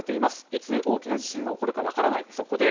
いつ大きな地震が起こるか分からない。